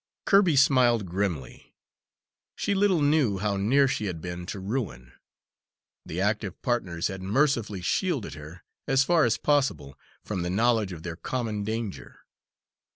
Kirby smiled grimly. She little knew how near she had been to ruin. The active partners had mercifully shielded her, as far as possible, from the knowledge of their common danger.